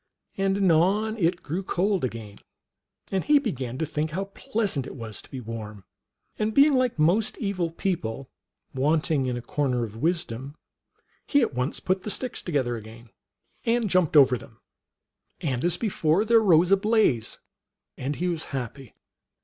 And anon it grew cold again, and he began to think how pleasant it was to be warm ; and being, like most evil people, wanting in a corner of wisdom, he at once put the sticks together again and jumped over THE MERRY TALES OF LOX. 173 them, and as before there rose a blaze, and he was happy.